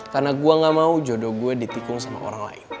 karena gue gak mau jodoh gue ditikung sama orang lain